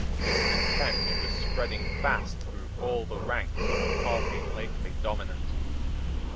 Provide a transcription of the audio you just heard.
Discontent was spreading fast through all the ranks of the party lately dominant.